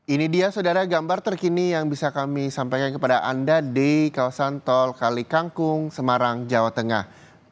ini dia saudara gambar terkini yang bisa kami sampaikan kepada anda di kawasan tol kalikangkung semarang jawa tengah